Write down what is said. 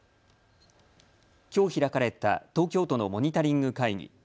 きょう開かれた東京都のモニタリング会議。